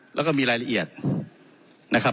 แล้วก็มีรายละเอียดนะครับ